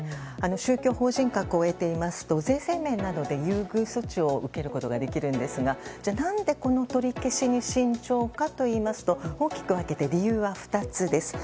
宗教法人格を得ていますと税制面などで優遇措置を受けることができるんですが何でこの取り消しに慎重かといいますと大きく分けて理由は２つです。